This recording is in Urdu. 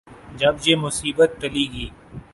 جب یہ مصیبت ٹلے گی۔